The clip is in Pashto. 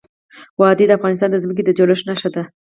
وادي د افغانستان د ځمکې د جوړښت نښه ده.